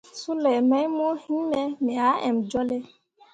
Sulei mai mo yinme, me ah emjolle.